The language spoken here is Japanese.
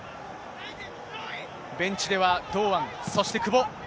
ベンチでは堂安、そして久保。